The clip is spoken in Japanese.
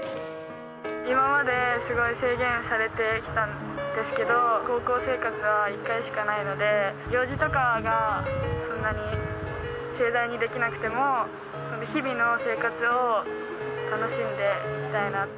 今まですごい制限されてきたんですけど、高校生活は１回しかないので、行事とかがそんなに盛大にできなくても、日々の生活を楽しんでいきたいな。